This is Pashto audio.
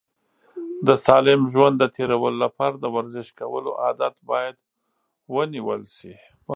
د سالم ژوند د تېرولو لپاره د ورزش کولو عادت باید ونیول شي.